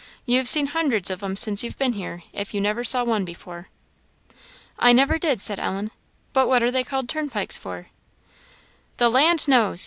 you've seen hundreds of 'em since you've been here, if you never saw one before." "I never did," said Ellen. "But what are they called turnpikes for?" "The land knows!